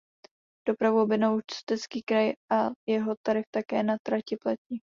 Dopravu objednal Ústecký kraj a jeho tarif také na trati platí.